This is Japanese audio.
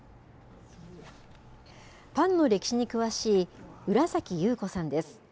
パンの歴史に詳しい浦崎優子さんです。